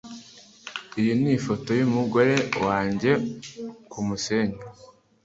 Iyi ni ifoto yumugore wanjye kumusenyi.